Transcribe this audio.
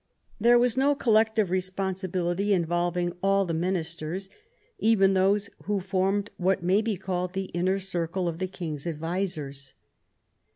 There was no collective responsibility involving all the ministers, even those who formed what may be called the inner circle of the King^s advisers.